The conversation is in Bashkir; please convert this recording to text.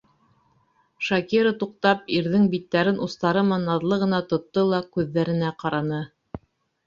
Шакира туҡтап, ирҙең биттәрен устары менән наҙлы ғына тотто ла күҙҙәренә ҡараны.